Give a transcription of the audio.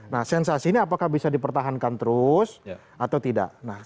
nah sensasi ini apakah bisa dipertahankan terus atau tidak